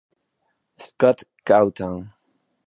Scott cawthon